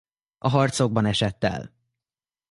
A harcokban esett el.